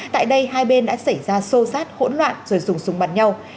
tại đây hai bên đã xảy ra sô sát hỗn loạn rồi dùng súng bắn nhau